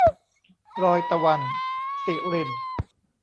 รอยตะวัน - สิริณ